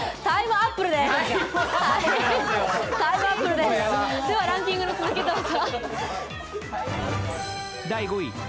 では、ランキングの続きどうぞ。